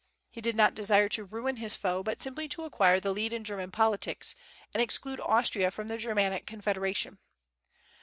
He did not desire to ruin his foe, but simply to acquire the lead in German politics and exclude Austria from the Germanic Confederation.